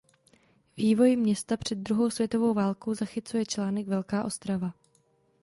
Vývoj města před druhou světovou válkou zachycuje článek Velká Ostrava.